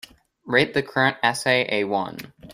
rate the current essay a one